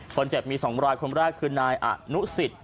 คนเจ็บมี๒รายคนแรกคือนายอนุสิต